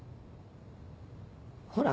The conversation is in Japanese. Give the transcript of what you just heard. ほら？